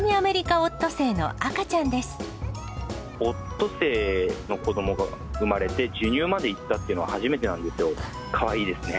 オットセイの子どもが産まれて、授乳までいったっていうのは初めてなんですよ。